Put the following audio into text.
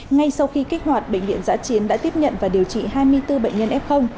ngay sau khi kích hoạt bệnh viện giã chiến đã tiếp nhận và điều trị hai mươi bốn bệnh nhân f